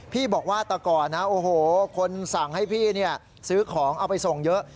พี่บอกว่าแต่ก่อนนะโอ้โหคนสั่งให้พี่ซื้อของเอาไปส่งเยอะ